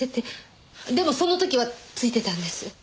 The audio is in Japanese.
でもその時は付いてたんです。